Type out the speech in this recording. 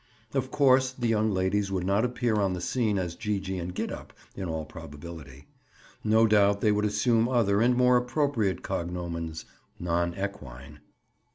Of course, the young ladies would not appear on the scene as Gee gee and Gid up, in all probability. No doubt, they would assume other and more appropriate cognomens (non equine).